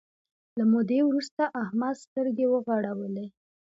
له مودې وروسته احمد سترګې وغړولې.